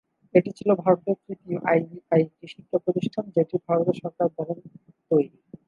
এটি ছিলো ভারতের তৃতীয় আইআইটি শিক্ষা-প্রতিষ্ঠান যেটি ভারতের সরকার দ্বারা তৈরি।